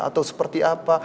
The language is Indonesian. atau seperti apa